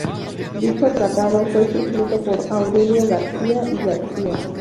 Dicho tratado fue suscrito por Aurelio García y García.